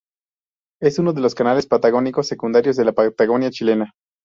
Es uno de los canales patagónicos secundarios de la Patagonia chilena.